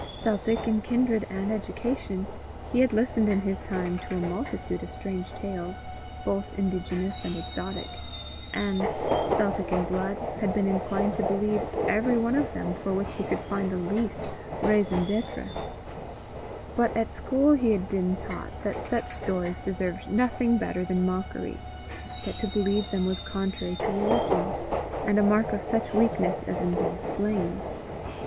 Celtic in kindred and education, he had listened in his time to a multitude of strange tales, both indigenous and exotic, and, Celtic in blood, had been inclined to believe every one of them for which he could find the least raison d'être. But at school he had been taught that such stories deserved nothing better than mockery, that to believe them was contrary to religion, and a mark of such weakness as involved blame.